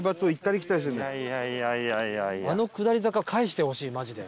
あの下り坂返してほしいマジで。